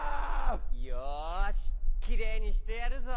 よしきれいにしてやるぞ！